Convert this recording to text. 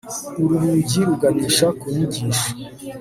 Uru rugi ruganisha ku nyigisho